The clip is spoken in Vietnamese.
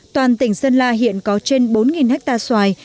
toàn tỉnh sơn la hiện có trên bốn hectare xoài